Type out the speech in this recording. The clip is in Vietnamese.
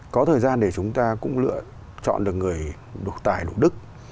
có thời gian để chúng ta cũng lựa chọn được người đủ tài đủ đức